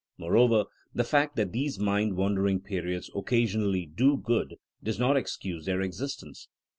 Moreover, the fact that these mind wan dering periods occasionally do good does not excuse their existence.